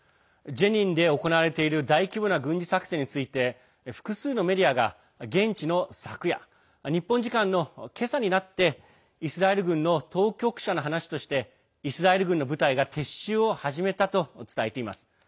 ジェニンで行われている大規模な軍事作戦について複数のメディアが、現地の昨夜日本時間の今朝になってイスラエル軍の当局者の話としてイスラエル軍の部隊が撤収を始めたと伝えています。